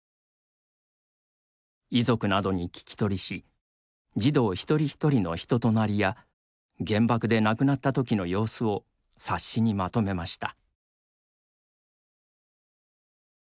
遺族などに聞き取りし児童一人一人の人となりや原爆で亡くなったときの様子を冊子にまとめました。